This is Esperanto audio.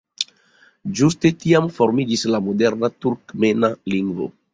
Ĝuste tiam formiĝis la moderna turkmena lingvo.